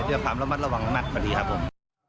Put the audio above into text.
ด้วยความระบะระวังหมดปกติครับผม